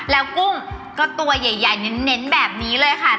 แล้วกุ้งก็ตัวใหญ่เน้นแบบนี้เลยค่ะ